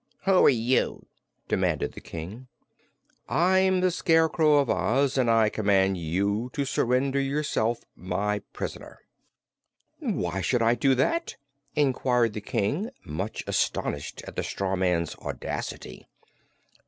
"Who are you?" demanded the King. "I'm the Scarecrow of Oz, and I command you to surrender yourself my prisoner." "Why should I do that?" inquired the King, much astonished at the straw man's audacity.